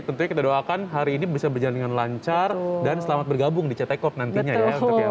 tentunya kita doakan hari ini bisa berjalan dengan lancar dan selamat bergabung di cetekop nantinya ya